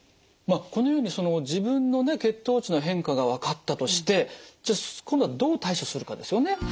まあこのようにその自分のね血糖値の変化が分かったとしてじゃあ今度はどう対処するかですよね。